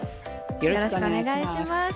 よろしくお願いします。